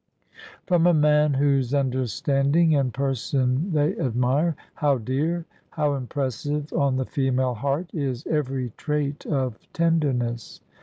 From a man whose understanding and person they admire, how dear, how impressive on the female heart is every trait of tenderness!